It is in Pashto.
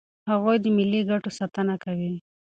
هغوی د ملي ګټو ساتنه کوي.